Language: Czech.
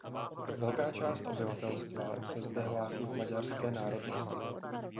Velká část obyvatelstva se zde hlásí k maďarské národnosti.